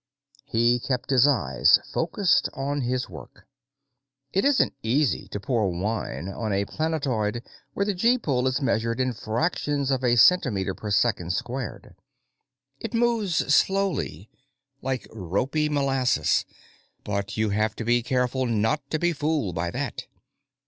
He kept his eyes focused on his work: It isn't easy to pour wine on a planetoid where the gee pull is measured in fractions of a centimeter per second squared. It moves slowly, like ropy molasses, but you have to be careful not to be fooled by that.